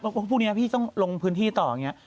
พูดโบราษพูดเมื่อกี้เข้าลงพื้นที่ต่อ